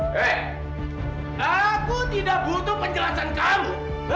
hei aku tidak butuh penjelasan kamu